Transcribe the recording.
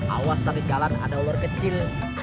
awas tadi jalan ada olor kecil